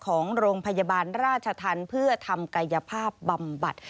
ของโรงพยาบาลราชธรรมเพื่อทำกายภาพบำบัด